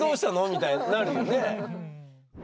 みたいになるもんね。